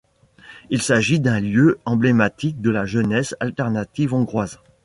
Il s'agit d'un lieu emblématique de la jeunesse alternative hongroise.